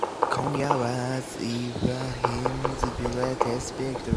Konya was Ibrahim's greatest victory.